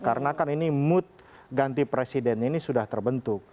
karena kan ini mood ganti presiden ini sudah terbentuk